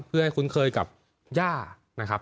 เพื่อให้คุ้นเคยกับย่านะครับ